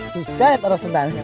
susah liat orang sedang